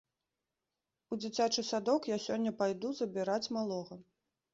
У дзіцячы садок я сёння пайду забіраць малога.